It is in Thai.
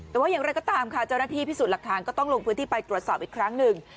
แต่ว่าอย่างไรก็ตามค่ะเจ้าหน้าที่พิสูจน์หลักฐานก็ต้องลงพื้นที่ไปตรวจสอบอีกครั้งหนึ่ง